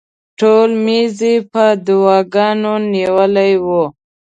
ټول میز یې په دواګانو نیولی و.